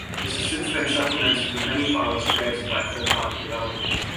This has since been supplemented with many files created by third party developers.